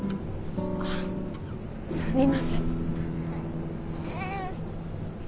あっすみません。